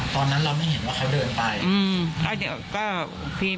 ตอนนั้นเราไม่เห็นว่าเขาเดินไปอืม